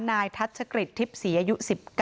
นายทัศน์ชะกริจทิพษีอายุ๑๙